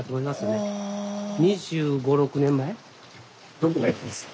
どこがいいんですか？